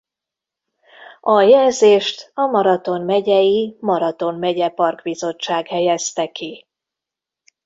A jelzést a Marathon megyei Marathon Megye Park Bizottság helyezte ki.